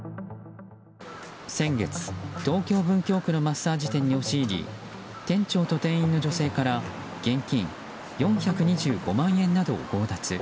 先月、東京・文京区のマッサージ店に押し入り店長と店員の女性から現金４２５万円などを強奪。